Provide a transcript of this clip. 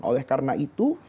oleh karena itu